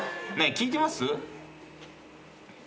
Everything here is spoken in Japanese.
聞いてます？